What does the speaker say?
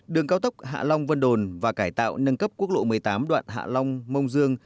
đường cao tốc hạ long vân đồn và cải tạo nâng cấp quốc lộ một mươi tám đoạn hạ long mông dương